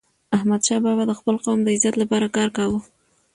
احمدشاه بابا د خپل قوم د عزت لپاره کار کاوه.